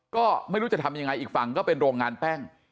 ก็ไม่รู้จะทำยังไงอีกฝั่งก็เป็นโรงงานแป้ง